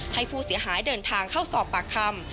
ให้ผู้เสียหายเดินทางเข้าสอบปากคำ